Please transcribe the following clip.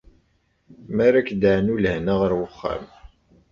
Mi ara k-d-teɛnu lehna ɣer uxxam.